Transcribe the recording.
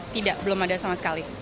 tidak belum ada sama sekali